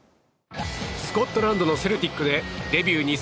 スコットランドのセルティックでデビュー